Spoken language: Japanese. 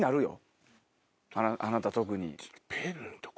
あなた特に。